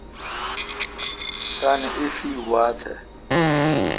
تان اݭی وا تھ۔